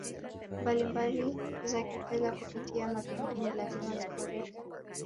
mbalimbali za Kifedha kupitia mabenki ni lazima ziboreshwe